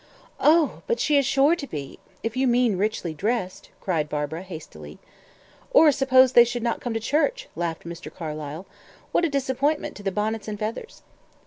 "Oh! But she is sure to be if you mean richly dressed," cried Barbara, hastily. "Or, suppose they should not come to church?" laughed Mr. Carlyle. "What a disappointment to the bonnets and feathers!"